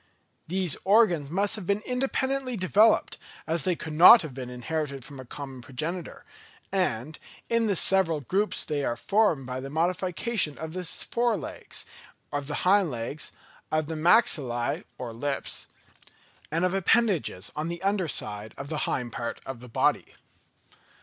These organs must have been independently developed, as they could not have been inherited from a common progenitor; and in the several groups they are formed by the modification of the fore legs, of the hind legs, of the maxillæ or lips, and of appendages on the under side of the hind part of the body.